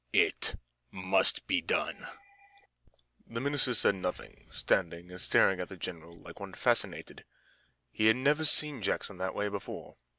It must be done." The minister said nothing, standing and staring at the general like one fascinated. He had never seen Jackson that way before.